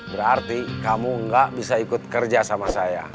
berarti kamu nggak bisa ikut kerja sama saya